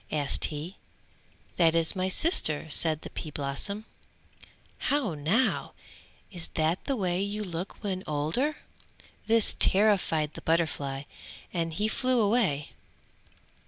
asked he. "That is my sister," said the pea blossom. "How now, is that the way you look when older?" This terrified the butterfly and he flew away.